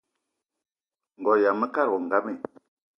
Ngo yama mekad wo ngam i?